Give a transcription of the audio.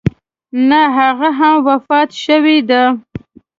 نه هغه هم وفات شوې ده.